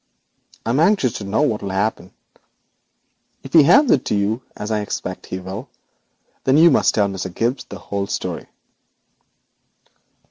I am anxious to know what will happen. If he hands it to you, as I expect he will, then you must tell Mr. Gibbes the whole story.'